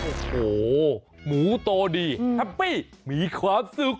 โอ้โหหมูโตดีแฮปปี้มีความสุข